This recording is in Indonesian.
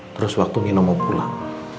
terus waktu minum mau pulang